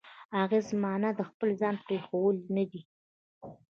اغېز معنا د خپل ځان پرېښوول نه دی.